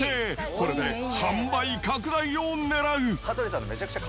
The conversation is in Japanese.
これで販売拡大をねらう。